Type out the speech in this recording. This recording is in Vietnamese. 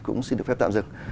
cũng xin được phép tạm dừng